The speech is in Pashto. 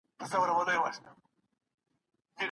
مړ سړي ولي په ډګر کي ږدن او اتڼ خوښ کړي وو؟